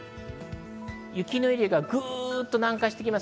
雪のエリアがグッと南下していきます。